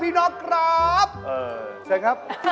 อะไรอยู่ข้าง